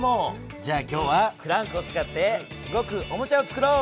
じゃあ今日はクランクを使って動くおもちゃをつくろう！